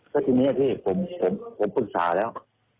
แล้วทีนี้พี่ผมปรึกษาแล้ว